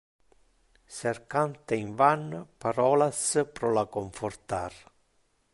Cercante in van parolas pro la confortar.